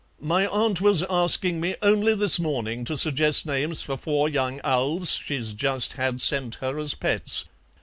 "My aunt was asking me only this morning to suggest names for four young owls she's just had sent her as pets.